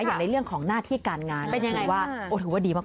อย่างในเรื่องของหน้าที่การงานก็ถือว่าถือว่าดีมาก